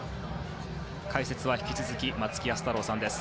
解説は引き続き松木安太郎さんです。